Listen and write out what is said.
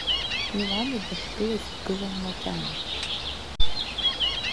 Милана дахьгылац дгылан макьана.